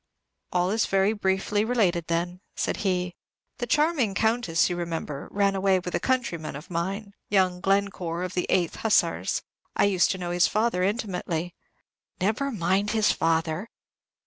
"All is very briefly related, then," said he. "The charming Countess, you remember, ran away with a countryman of mine, young Glencore, of the 8th Hussars; I used to know his father intimately." "Never mind his father."